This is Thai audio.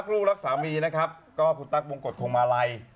ลูกรักสามีนะครับก็คุณตั๊กวงกฎคงมาลัย